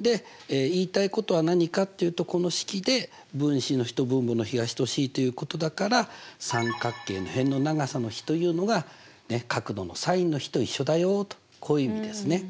で言いたいことは何かっていうとこの式で分子の比と分母の比が等しいということだから三角形の辺の長さの比というのが角度のｓｉｎの比と一緒だよとこういう意味ですね。